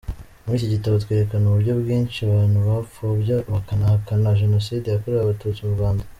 Muri iki gitabo twerekana uburyo bwinshi abantu bapfobya bakanahakana Jenosidre yakorewe Abatutsi mu Rwanda.